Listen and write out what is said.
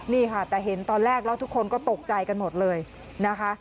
นี่ค่ะแต่เห็นตอนแรกแล้วทุกคนก็ตกใจกันหมดเลยนะคะ